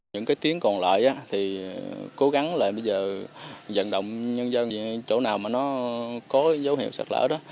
những cái tiếng còn lại thì cố gắng là bây giờ dẫn động nhân dân chỗ nào mà nó có dấu hiệu sạt lở đó